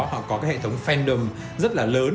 họ có cái hệ thống fandom rất là lớn